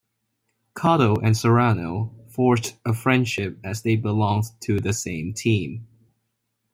Cotto and Serrano forged a friendship as they belonged to the same team.